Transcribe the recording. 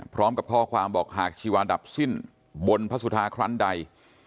พร้อมกับข้อความบอกหากชีวาดับสิ้นบนพระสุธาครั้งใด